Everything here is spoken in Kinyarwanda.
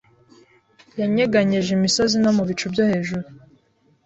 Yanyeganyeje imisozi no mu bicu byohejuru